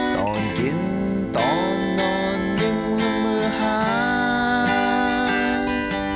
ตอนกินตอนนอนยังไม่มีหา